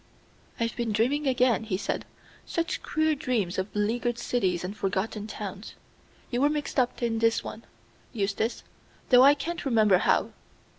"I've been dreaming again," he said; "such queer dreams of leaguered cities and forgotten towns. You were mixed up in this one, Eustace, though I can't remember how.